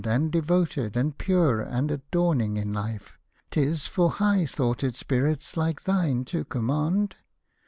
And devoted, and pure, and adorning in life, 'Tisfor high thoughted spirits like thine to command?